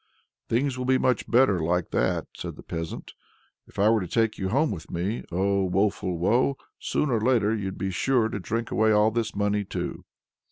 "Things will be much better like that," said the peasant: "if I were to take you home with me, O Woeful Woe, sooner or later you'd be sure to drink away all this money, too!"